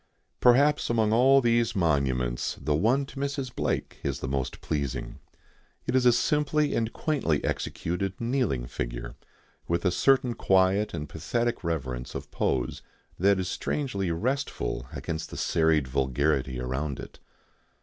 Perhaps among all these monuments the one to Mrs. Blake is the most pleasing. It is a simply and quaintly executed kneeling figure, with a certain quiet and pathetic reverence of pose that is strangely restful against the serried vulgarity around it.